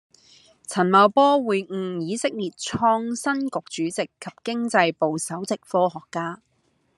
陳茂波會晤以色列創新局主席及經濟部首席科學家